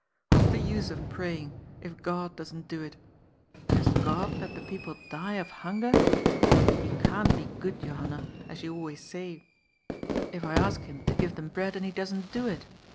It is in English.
" What's the use of praying, if God doesn't do it ? Does God let the people die of hun ger ? He can't be good, Johanna, as you always say, if I ask him to give them bread and he doesn't do it.